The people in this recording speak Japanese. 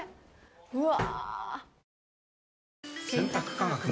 うわ。